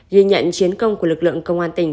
ghi nhận chiến công của lực lượng công an tỉnh